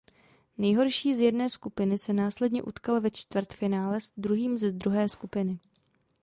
Nejhorší z jedné skupiny se následně utkal ve čtvrtfinále s druhým ze druhé skupiny.